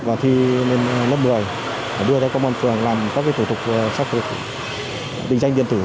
và thi lên lớp một mươi đưa ra công an phường làm các thủ tục xác thực định danh điện tử